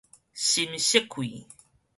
心適氣